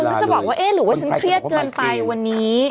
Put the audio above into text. อะแล้วพี่คุณก็จะบอกว่าเอ๊ะหรือว่าฉันเครียดเกินไปวันนี้